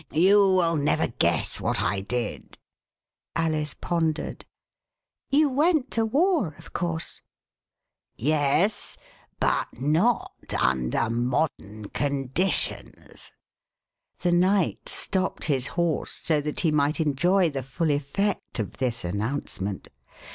You will never guess what I did." Alice pondered. You went to war, of course "Yes ; btit not under modern conditions ^ The Knight stopped his horse so that he might enjoy the full effect of this announcement.